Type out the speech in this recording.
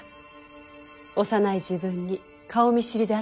幼い時分に顔見知りであっただけ。